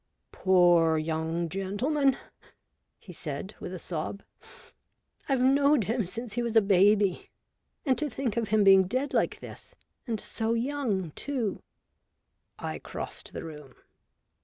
" Poor young gentleman !" he said, with a sob; "I've knowed him since he was a baby. And to think of him being dead like this — and so young too !" I crossed the room.